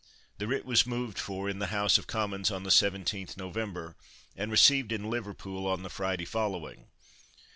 The writ was moved for in the House of Commons on the 17th November, and received in Liverpool on the Friday following.